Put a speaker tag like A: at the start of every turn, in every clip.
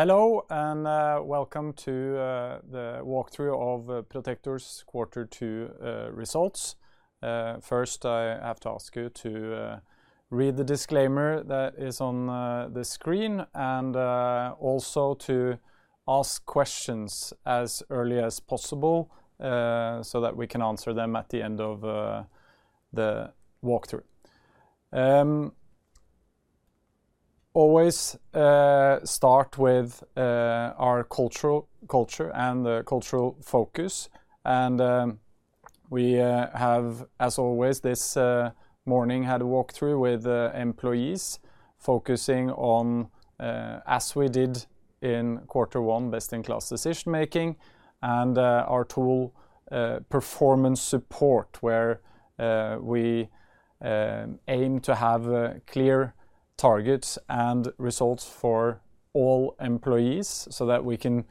A: Hello, welcome to the walkthrough of Protector's Quarter 2 results. First, I have to ask you to read the disclaimer that is on the screen, and also to ask questions as early as possible so that we can answer them at the end of the walkthrough. Always start with our cultural culture and the cultural focus, and we have, as always, this morning, had a walkthrough with employees focusing on, as we did in Quarter 1, best-in-class decision making, and our tool, performance support, where we aim to have clear targets and results for all employees so that we can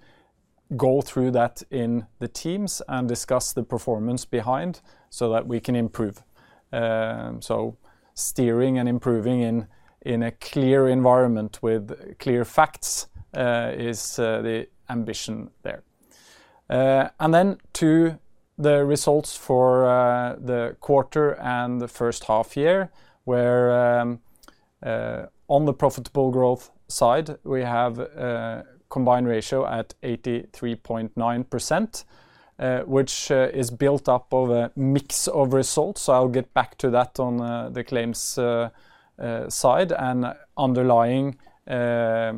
A: go through that in the teams and discuss the performance behind, so that we can improve. Steering and improving in a clear environment with clear facts is the ambition there. To the results for the quarter and the first half year, where on the profitable growth side, we have combined ratio at 83.9%, which is built up of a mix of results. I'll get back to that on the claims side and underlying higher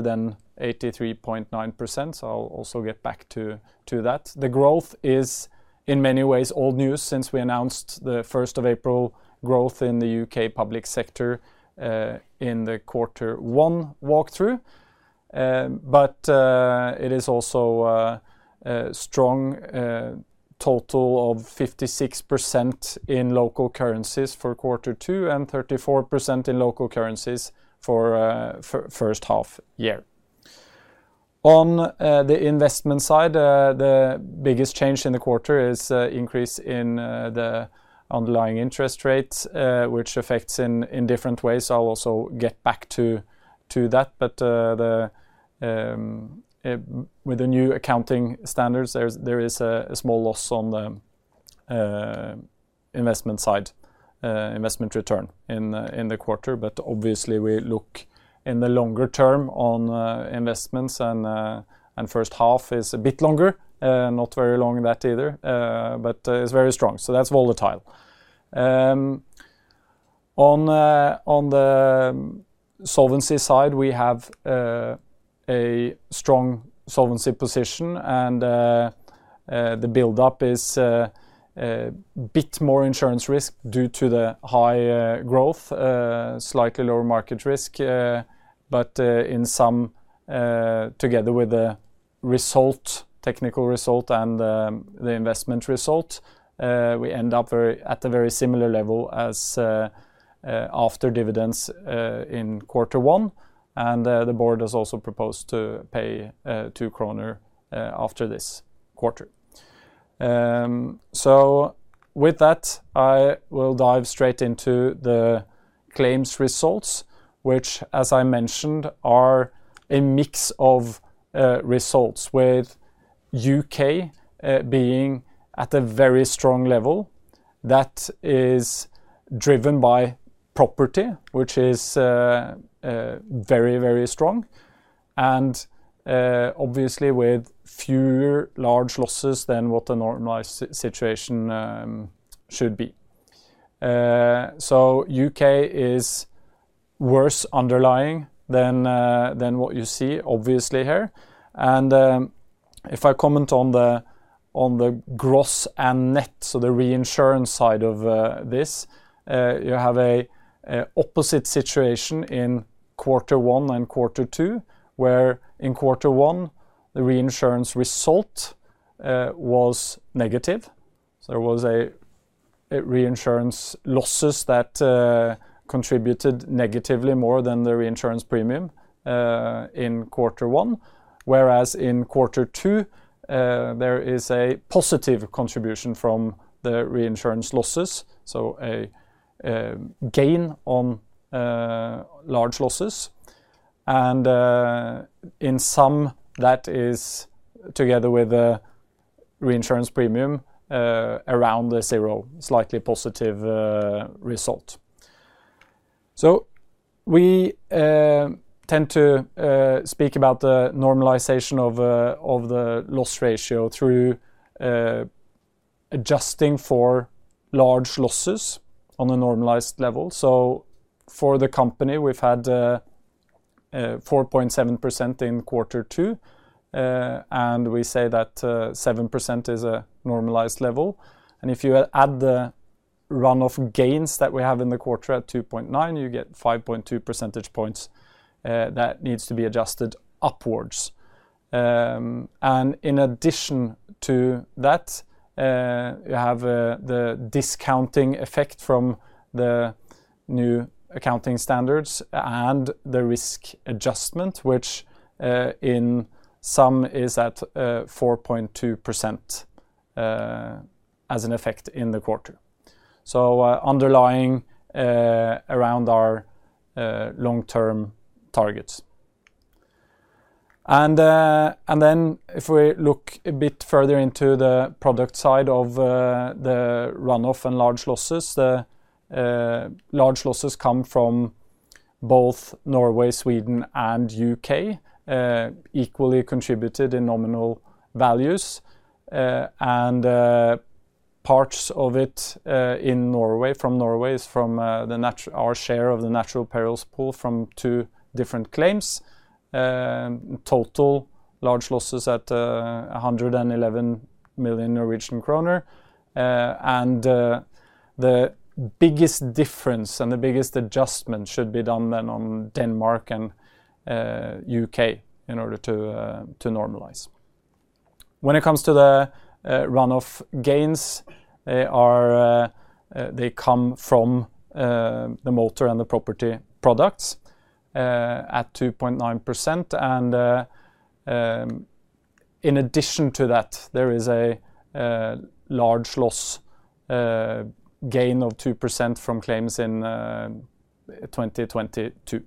A: than 83.9%. I'll also get back to that. The growth is, in many ways, old news since we announced the 1st of April growth in the U.K. public sector in the Q1 walkthrough. It is also a strong total of 56% in local currencies for quarter two and 34% in local currencies for first half year. On the investment side, the biggest change in the quarter is increase in the underlying interest rates, which affects in different ways. I'll also get back to that. With the new accounting standards, there is a small loss on the investment side, investment return in the quarter. Obviously, we look in the longer term on investments, and first half is a bit longer, not very long in that either. It's very strong. That's volatile. On the solvency side, we have a strong solvency position, and the build-up is a bit more insurance risk due to the high growth, slightly lower market risk, but in some, together with the result, technical result and the investment result, we end up at a very similar level as after dividends in quarter one, and the board has also proposed to pay 2 kroner after this quarter. With that, I will dive straight into the claims results, which, as I mentioned, are a mix of results, with U.K. being at a very strong level that is driven by property, which is very, very strong, and obviously, with fewer large losses than what the normalized situation should be. UK is worse underlying than what you see, obviously here. If I comment on the gross and net, so the reinsurance side of this, you have an opposite situation in quarter one and quarter two, where in quarter one, the reinsurance result was negative. So there was a reinsurance losses that contributed negatively more than the reinsurance premium in quarter one, whereas in quarter two, there is a positive contribution from the reinsurance losses, so a gain on large losses. In some that is together with the reinsurance premium around the zero, slightly positive result. We tend to speak about the normalization of the loss ratio through adjusting for large losses on a normalized level. For the company, we've had 4.7% in quarter two, and we say that 7% is a normalized level. If you add the run-off gains that we have in the quarter at 2.9, you get 5.2 percentage points that needs to be adjusted upwards. In addition to that, you have the discounting effect from the new accounting standards and the risk adjustment, which in some is at 4.2% as an effect in the quarter. Underlying, around our long-term targets. If we look a bit further into the product side of the run-off and large losses, the large losses come from both Norway, Sweden, and U.K., equally contributed in nominal values. Parts of it in Norway, from Norway is from our share of the natural perils pool from 2 different claims. Total large losses at 111 million Norwegian kroner. The biggest difference and the biggest adjustment should be done then on Denmark and UK in order to normalize. When it comes to the run-off gains, they are they come from the motor and the property products at 2.9%. In addition to that, there is a large loss gain of 2% from claims in 2022.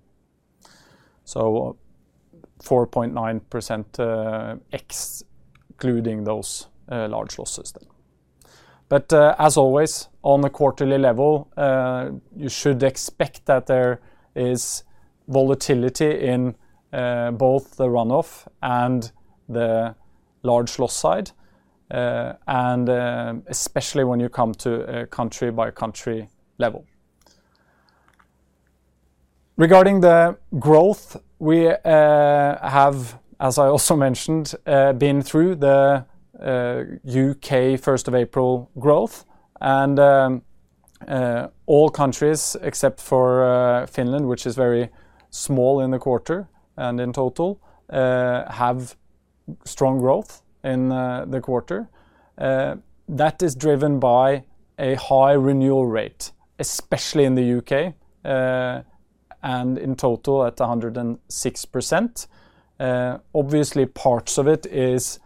A: 4.9%, excluding those large loss system. As always, on a quarterly level, you should expect that there is volatility in both the runoff and the large loss side, and especially when you come to a country-by-country level. Regarding the growth, we have, as I also mentioned, been through the U.K first of April growth. All countries, except for Finland, which is very small in the quarter and in total, have strong growth in the quarter. That is driven by a high renewal rate, especially in the U.K., and in total, at 106%. Obviously, parts of it is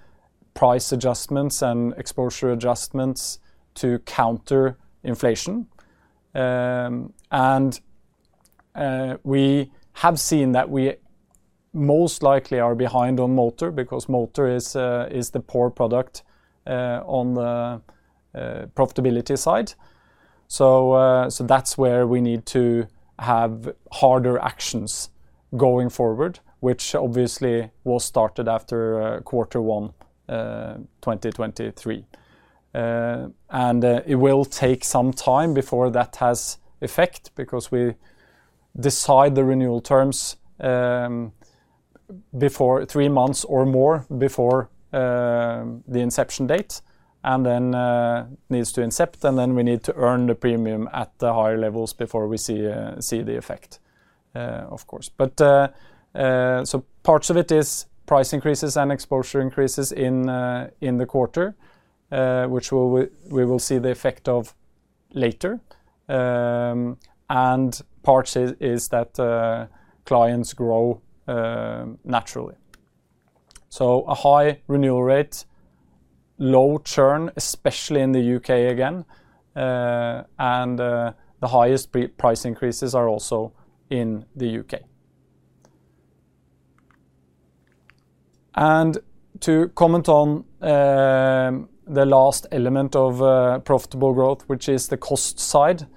A: price adjustments and exposure adjustments to counter inflation. We have seen that we most likely are behind on motor, because motor is the poor product on the profitability side. That's where we need to have harder actions going forward, which obviously was started after quarter one 2023. It will take some time before that has effect, because we decide the renewal terms before three months or more before the inception date, and then needs to incept, and then we need to earn the premium at the higher levels before we see the effect, of course. Parts of it is price increases and exposure increases in the quarter, which we will see the effect of later. Parts is that clients grow naturally. A high renewal rate, low churn, especially in the U.K. again, and the highest price increases are also in the UK. To comment on the last element of profitable growth, which is the cost side,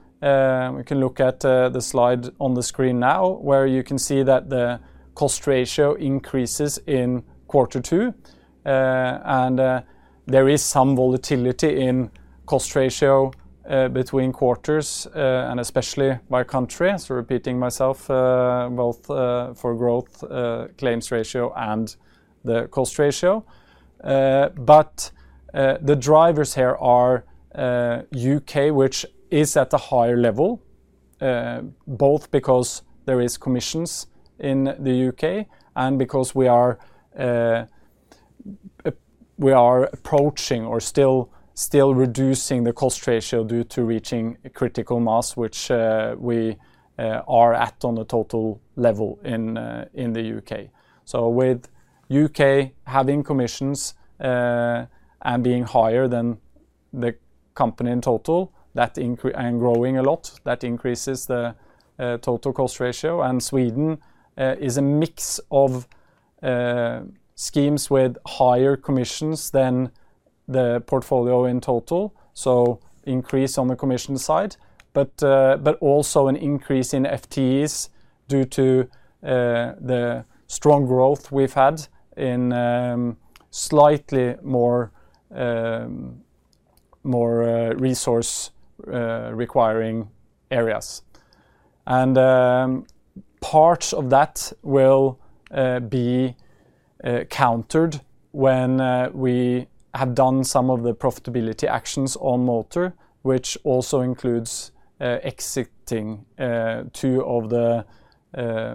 A: we can look at the slide on the screen now, where you can see that the cost ratio increases in quarter two. There is some volatility in cost ratio between quarters and especially by country. Repeating myself, both for growth, claims ratio, and the cost ratio. The drivers here are U.K., which is at a higher level, both because there is commissions in the U.K. and because we are, we are approaching or still reducing the cost ratio due to reaching a critical mass, which we are at on the total level in the U.K. With UK having commissions, and being higher than the company in total, and growing a lot, that increases the total cost ratio. Sweden is a mix of schemes with higher commissions than the portfolio in total, so increase on the commission side, but also an increase in FTEs due to the strong growth we've had in slightly more resource requiring areas. Parts of that will be countered when we have done some of the profitability actions on motor, which also includes exiting two of the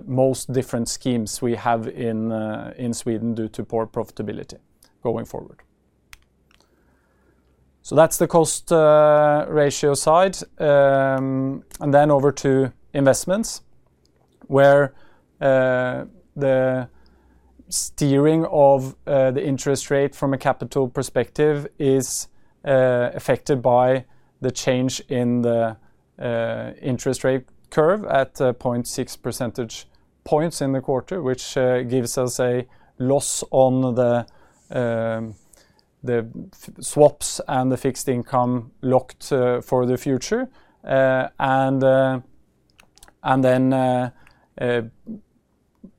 A: most different schemes we have in Sweden due to poor profitability going forward. That's the cost ratio side. Over to investments. where the steering of the interest rate from a capital perspective is affected by the change in the interest rate curve at 0.6 percentage points in the quarter, which gives us a loss on the swaps and the fixed income locked for the future.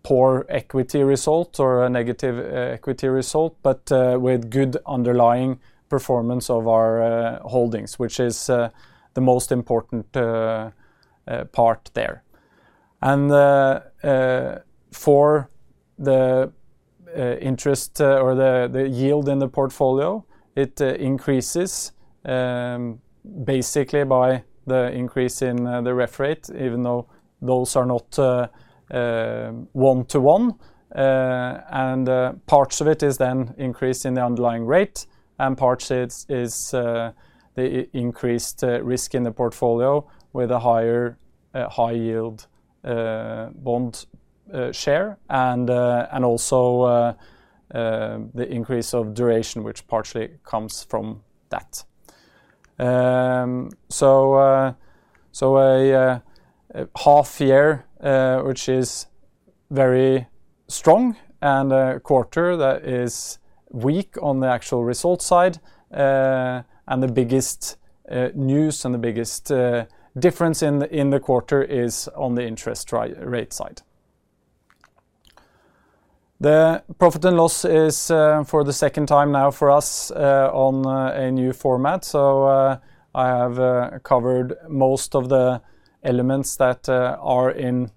A: poor equity result or a negative equity result, with good underlying performance of our holdings, which is the most important part there. for the interest or the yield in the portfolio, it increases basically by the increase in the ref rate, even though those are not one to one. Parts of it is then increased in the underlying rate, and parts is the increased risk in the portfolio with a higher high yield bond share, and also the increase of duration, which partially comes from that. A half year which is very strong, and a quarter that is weak on the actual result side. The biggest news and the biggest difference in the quarter is on the interest rate side. The profit and loss is for the second time now for us on a new format. I have covered most of the elements that are in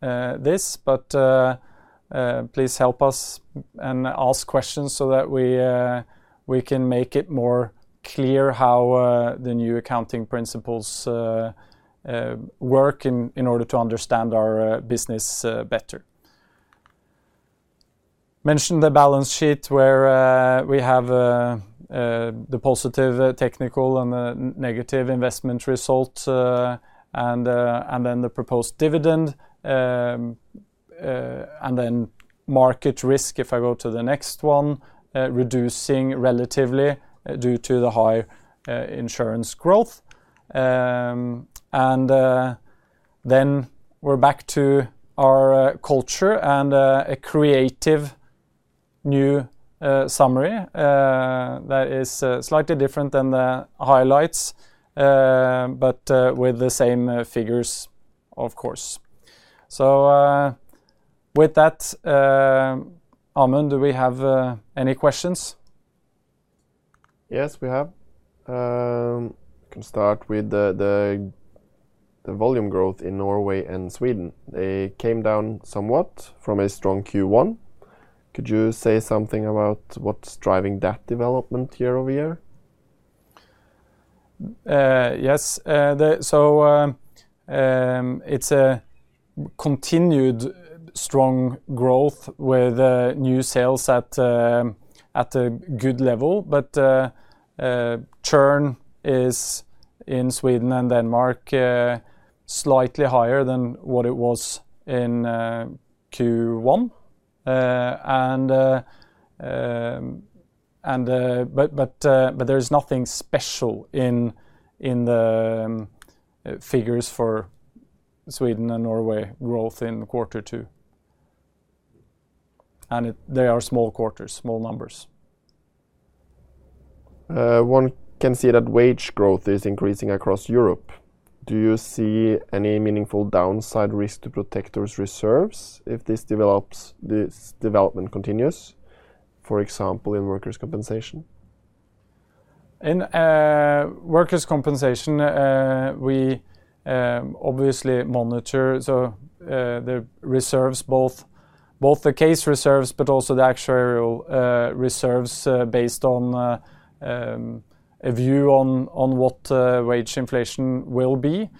A: this, but please help us and ask questions so that we can make it more clear how the new accounting principles work in in order to understand our business better. Mentioned the balance sheet, where we have the positive technical and the negative investment result, and then the proposed dividend, and then market risk, if I go to the next one, reducing relatively due to the high insurance growth. We're back to our culture and a creative new summary that is slightly different than the highlights, but with the same figures, of course. With that, Amund, do we have any questions?
B: Yes, we have. Can start with the volume growth in Norway and Sweden. They came down somewhat from a strong Q1. Could you say something about what's driving that development year-over-year?
A: Yes. It's a continued strong growth with new sales at a good level, but churn is in Sweden and Denmark slightly higher than what it was in Q1. But there is nothing special in the figures for Sweden and Norway growth in quarter two. They are small quarters, small numbers.
B: One can see that wage growth is increasing across Europe. Do you see any meaningful downside risk to Protector's reserves if this development continues, for example, in workers' compensation?
A: In workers' compensation, we obviously monitor the reserves, both the case reserves, but also the actuarial reserves, based on a view on what wage inflation will be.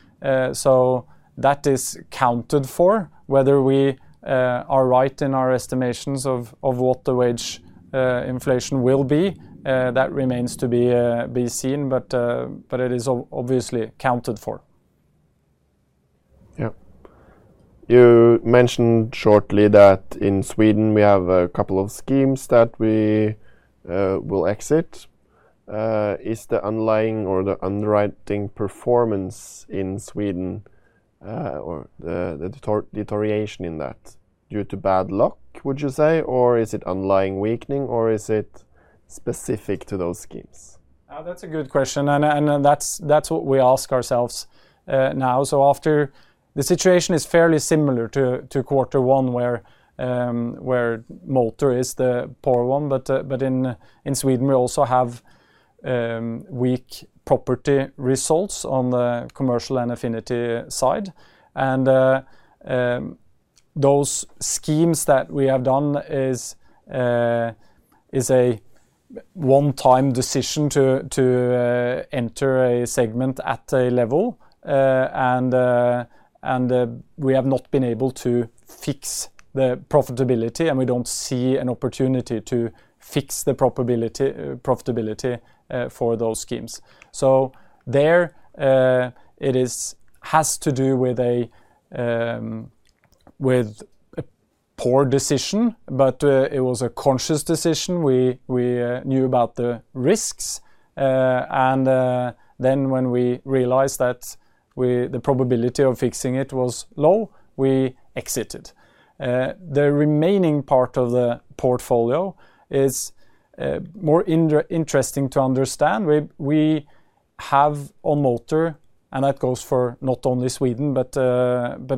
A: That is counted for. Whether we are right in our estimations of what the wage inflation will be, that remains to be seen, but it is obviously counted for.
B: Yep. You mentioned shortly that in Sweden, we have a couple of schemes that we will exit. Is the underlying or the underwriting performance in Sweden, or the deterioration in that due to bad luck, would you say, or is it underlying weakening, or is it specific to those schemes?
A: That's a good question, and that's what we ask ourselves now. After the situation is fairly similar to quarter one, where motor is the poor one, but in Sweden, we also have weak property results on the commercial and affinity side. Those schemes that we have done is a one-time decision to enter a segment at a level, and we have not been able to fix the profitability, and we don't see an opportunity to fix the profitability for those schemes. There, it has to do with a poor decision, but it was a conscious decision. We knew about the risks, then when we realized that the probability of fixing it was low, we exited. The remaining part of the portfolio is more interesting to understand. We have on motor, and that goes for not only Sweden, but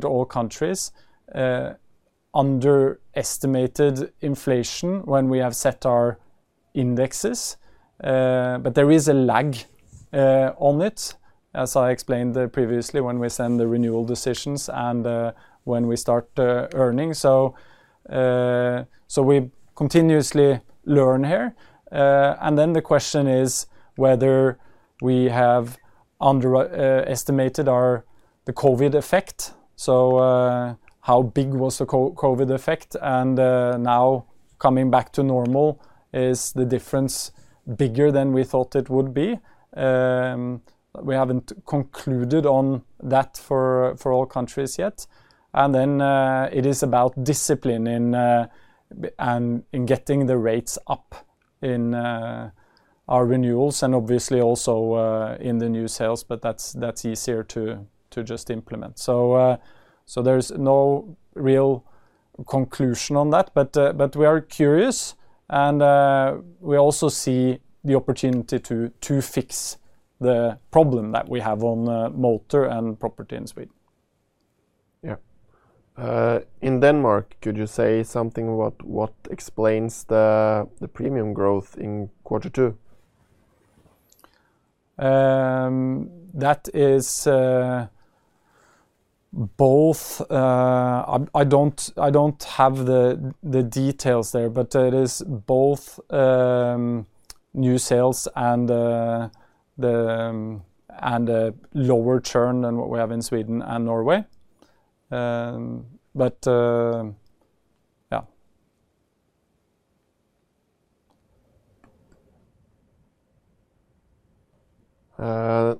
A: all countries, underestimated inflation when we have set our indexes. There is a lag on it, as I explained previously, when we send the renewal decisions and when we start earning. We continuously learn here. Then the question is whether we have underestimated the COVID effect. How big was the COVID effect? Now coming back to normal, is the difference bigger than we thought it would be? We haven't concluded on that for all countries yet. It is about discipline and in getting the rates up in our renewals and obviously also, in the new sales, but that's easier to just implement. There's no real conclusion on that, but we are curious, and we also see the opportunity to fix the problem that we have on motor and property in Sweden.
B: Yeah. In Denmark, could you say something about what explains the premium growth in quarter two?
A: That is both... I don't have the details there, but it is both new sales and a lower churn than what we have in Sweden and Norway. Yeah.
B: Well,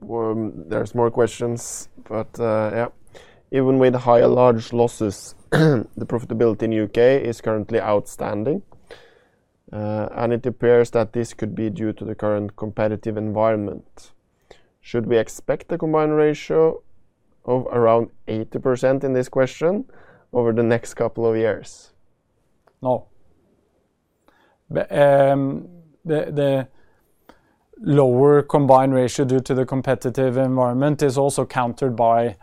B: there's more questions. Even with higher large losses, the profitability in UK is currently outstanding. It appears that this could be due to the current competitive environment. Should we expect a combined ratio of around 80% in this question over the next couple of years?
A: The lower combined ratio due to the competitive environment is also countered by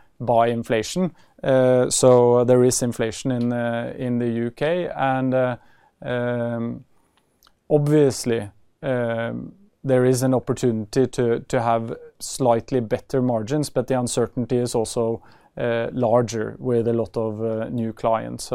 A: inflation. There is inflation in the U.K., and obviously, there is an opportunity to have slightly better margins, but the uncertainty is also larger with a lot of new clients.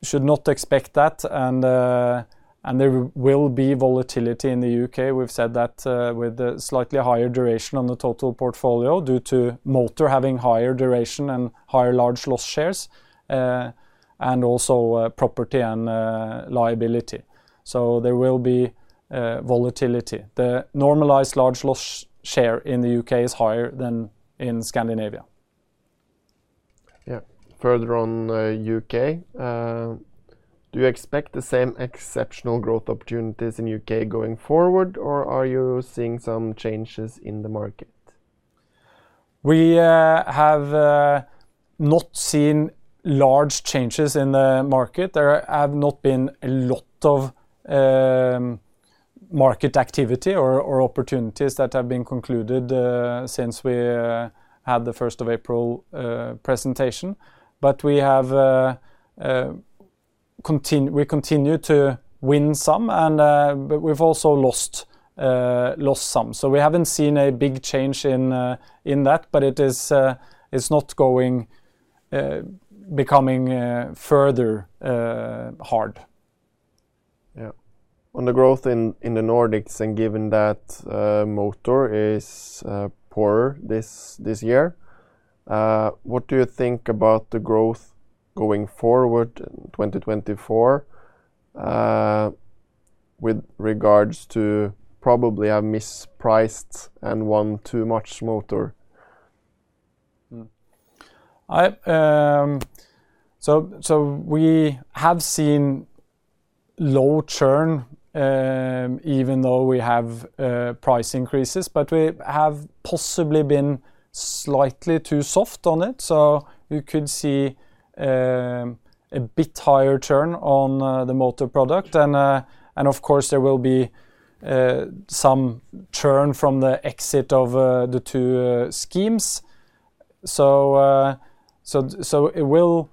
A: Should not expect that. There will be volatility in the U.K. We've said that, with the slightly higher duration on the total portfolio due to motor having higher duration and higher large loss shares, and also property and liability. There will be volatility. The normalized large loss share in the U.K. is higher than in Scandinavia.
B: Yeah. Further on, UK, do you expect the same exceptional growth opportunities in UK going forward, or are you seeing some changes in the market?
A: We have not seen large changes in the market. There have not been a lot of market activity or opportunities that have been concluded since we had the first of April presentation. We continue to win some, and but we've also lost some. We haven't seen a big change in that, but it is it's not going becoming further hard.
B: Yeah. On the growth in the Nordics, Given that motor is poorer this year, what do you think about the growth going forward, 2024, with regards to probably have mispriced and won too much motor?
A: I. We have seen low churn, even though we have price increases, but we have possibly been slightly too soft on it. We could see a bit higher churn on the motor product. Of course, there will be some churn from the exit of the two schemes. It will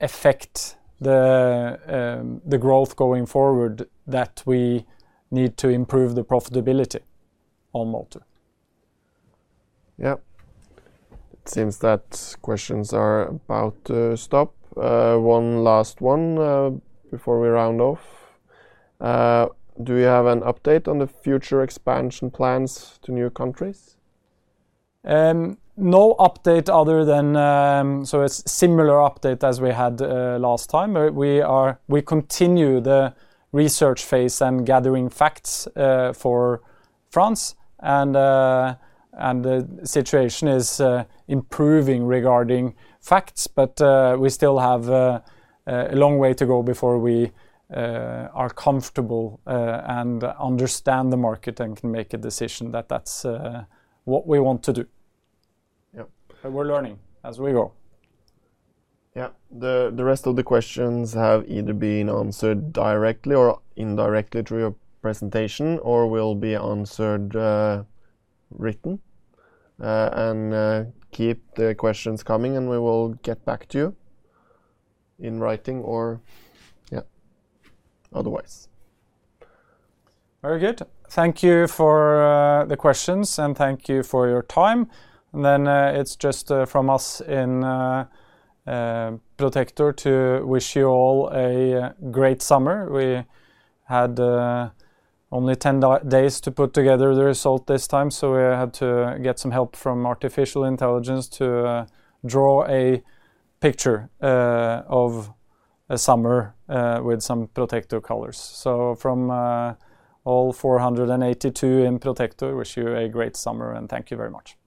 A: affect the growth going forward that we need to improve the profitability on motor.
B: It seems that questions are about to stop. One last one, before we round off. Do you have an update on the future expansion plans to new countries?
A: No update other than, so it's similar update as we had last time. We continue the research phase and gathering facts for France, and the situation is improving regarding facts, but we still have a long way to go before we are comfortable and understand the market and can make a decision that that's what we want to do.
B: Yeah.
A: We're learning as we go.
B: Yeah. The rest of the questions have either been answered directly or indirectly through your presentation, or will be answered, written. Keep the questions coming, and we will get back to you in writing or, yeah, otherwise.
A: Very good. Thank you for the questions, and thank you for your time. It's just from us in Protector to wish you all a great summer. We had only 10 days to put together the result this time, so we had to get some help from artificial intelligence to draw a picture of a summer with some Protector colors. From all 482 in Protector, wish you a great summer, and thank you very much.